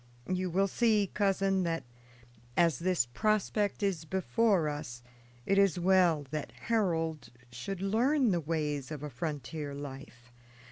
You will see, cousin, that, as this prospect is before us, it is well that Harold should learn the ways of a frontier life.